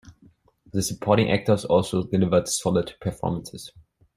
The supporting actors also delivered "solid" performances.